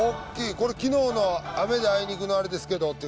これ昨日の雨であいにくのあれですけど弔辰討いΥ